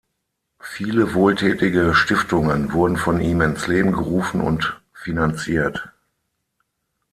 Viele wohltätige Stiftungen wurden von ihm ins Leben gerufen und finanziert.